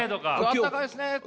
今日あったかいっすね。